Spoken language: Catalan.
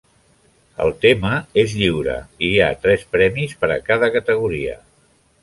El tema és lliure i hi ha tres premis per a cada categoria.